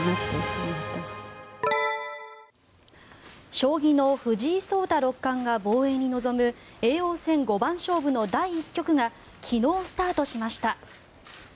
将棋の藤井聡太六冠が防衛に臨む叡王戦五番勝負の第１局が昨日スタートしました。